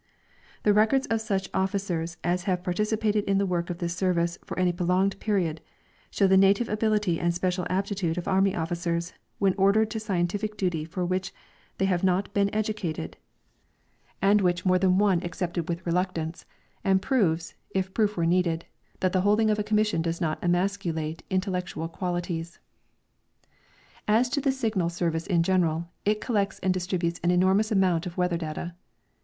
The records of such officers as have participated in the work of this service for any prolonged period show the native ability and special adaptitude of army officers, wheri ordered to scientific duty for whicli thev had not Wqw educated and which more than one Development of Meteorohgic Methods. 93 accepted with reluctance, and jiroves, if proof were needed, that the holding of a commission does not emasculate intellectual qualities. As to the Signal service in general, it collects and distributes an enormous amount of weather data.